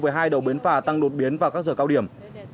với hai đầu bến phà tăng đột biến vào các giờ cao điểm